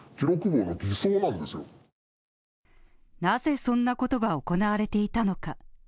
なぜ、そんなことが行われていたのか。